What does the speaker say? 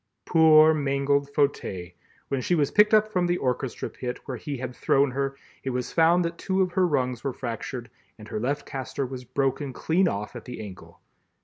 Poor mangled Fauteuil! When she was picked up from the orchestra pit where he had thrown her it was found that two of her rungs were fractured and her left castor was broken clean off at the ankle.